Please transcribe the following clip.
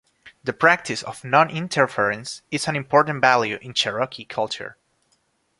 The practice of non-interference is an important value in Cherokee culture.